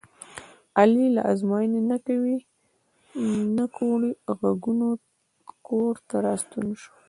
علي له ازموینې نه کوړی غوږونه کورته راستون شو.